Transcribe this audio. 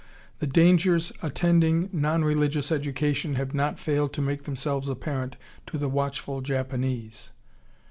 The dangers attending non religious education have not failed to make themselves apparent to the watchful Japanese....